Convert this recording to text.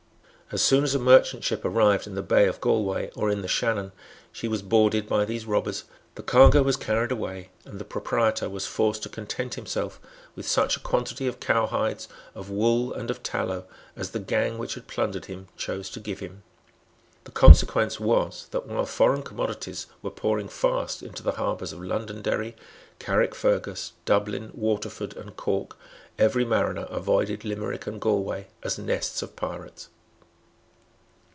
As soon as a merchant ship arrived in the bay of Galway or in the Shannon, she was boarded by these robbers. The cargo was carried away; and the proprietor was forced to content himself with such a quantity of cowhides, of wool and of tallow as the gang which had plundered him chose to give him. The consequence was that, while foreign commodities were pouring fast into the harbours of Londonderry, Carrickfergus, Dublin, Waterford and Cork, every mariner avoided Limerick and Galway as nests of pirates.